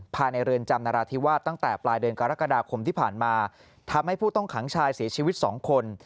ภายในเรือนจำนราธิวาสตั้งแต่ปลายเดือนกรกฎาคมที่ผ่านมาทำให้ผู้ต้องขังชายเสียชีวิต๒คน